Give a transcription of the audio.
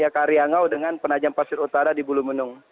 karyangau dengan penajam pasir utara di bulumenung